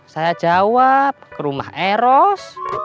saya jawab ke rumah eros